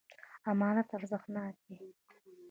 امانت ارزښتناک دی.